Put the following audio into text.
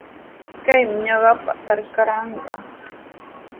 Kaymi ñuqapa trakraaqa.